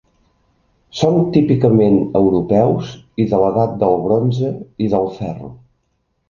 Són típicament europeus i de l'edat del bronze i del ferro.